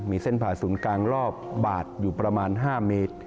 มีเส้นผ่าศูนย์กลางรอบบาดอยู่ประมาณ๕เมตร